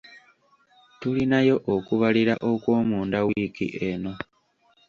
Tulinayo okubalira okw'omunda wiiki eno.